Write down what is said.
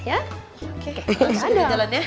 oke langsung kita jalan ya